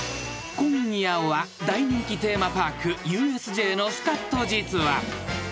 ［今夜は大人気テーマパークＵＳＪのスカッと実話］